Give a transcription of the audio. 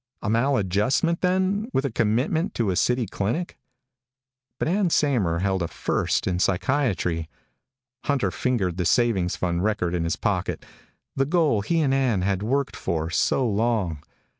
A maladjustment then, with commitment to a city clinic? But Ann Saymer held a First in Psychiatry. Hunter fingered the Saving Fund record in his pocket the goal he and Ann had worked for so long.